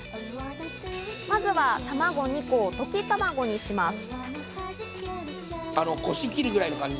まずは卵２個を溶き卵にします。